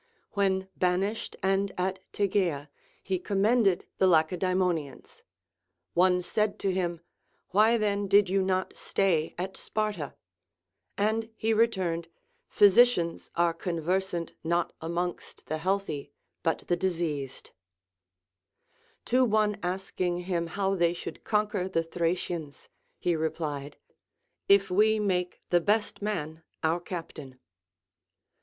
When banished and at Tegea, he commended the Lacedaemonians. One said to him, Why then did you not stay at Sparta? And he returned, Physicians are conversant not amongst the LACONIC APOPHTHEGMS. 429 healthy, but the diseased. To one askhig him how they should conquer the Thracians, he replied, If we make the best man our captain.